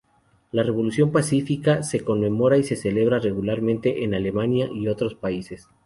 La revolución pacífica se conmemora y se celebra regularmente en Alemania y otros países.